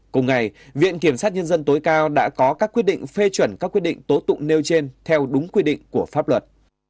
cùng ngày viện kiểm sát nhân dân tối cao đã có các quyết định phê chuẩn các quyết định tố tụng nêu trên theo đúng quy định của pháp luật